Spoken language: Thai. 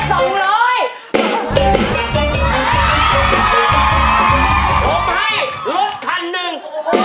ผมให้รถคันหนึ่ง